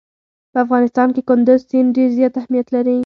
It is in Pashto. په افغانستان کې کندز سیند ډېر زیات اهمیت لري.